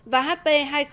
và hp hai nghìn bốn mươi